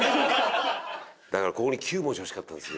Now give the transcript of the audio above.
だからここに９文字欲しかったんですよ。